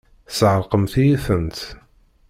Tesεeṛqemt-iyi-tent!